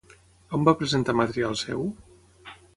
On va presentar material seu?